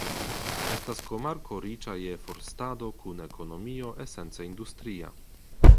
Estas komarko riĉa je forstado kun ekonomio esence industria.